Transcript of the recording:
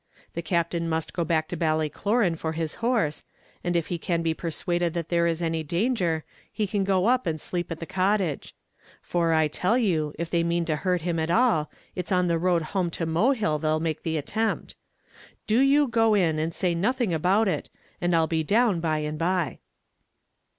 The Captain must go back to Ballycloran for his horse; and if he can be persuaded that there is any danger, he can go up and sleep at the cottage; for I tell you, if they mean to hurt him at all, it's on the road home to Mohill they'd make the attempt. Do you go in and say nothing about it, and I'll be down by and by."